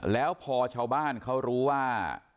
แล้วพอชาวบ้านเขารู้ว่า